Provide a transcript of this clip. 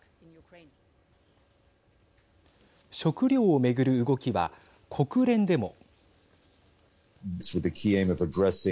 食糧をめぐる動きは国連でも。